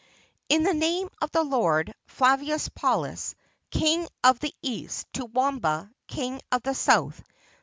] In the name of the Lord, Flavius Paulus, King of the East, to Wamba, King of the South.